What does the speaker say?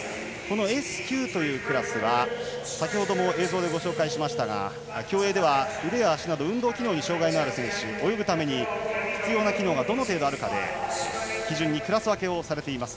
Ｓ９というクラスは先ほども映像でご紹介しましたが競泳では腕や足など運動機能に障がいのある選手泳ぐために必要な機能がどの程度あるかを基準にクラス分けをされています。